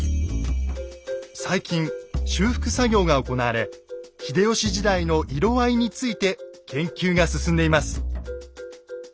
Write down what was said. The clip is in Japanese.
最近修復作業が行われ秀吉時代の色合いについて研究が進んでいます。